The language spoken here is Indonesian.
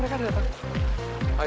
terima kasih untuk waktunya bu